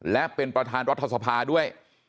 และเป็นประธานรัฐสภาด้วย